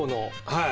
はい。